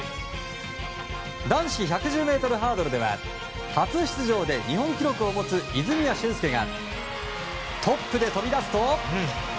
男子１１０ｍハードルでは初出場で日本記録を持つ泉谷駿介がトップで飛び出すと。